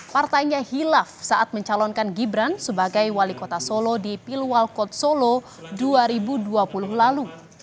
partainya hilaf saat mencalonkan gibran sebagai wali kota solo di pilwal kot solo dua ribu dua puluh lalu